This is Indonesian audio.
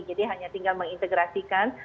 jadi hanya tinggal mengintegrasikan